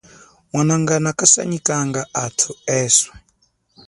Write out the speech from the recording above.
Mwanangana kasanyikanga athu eswe.